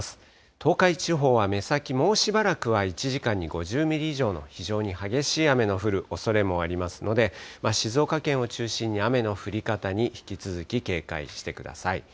東海地方は目先、もうしばらくは１時間に５０ミリ以上の非常に激しい雨の降るおそれもありますので、静岡県を中心に雨の降り方に引き続き警戒してください。